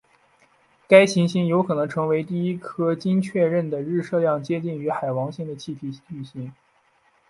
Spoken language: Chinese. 该行星有可能成为第一颗经确认的日射量接近于海王星的气体巨星。